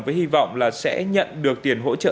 với hy vọng là sẽ nhận được tiền hỗ trợ